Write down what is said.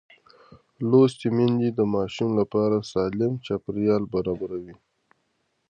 لوستې میندې د ماشوم لپاره سالم چاپېریال برابروي.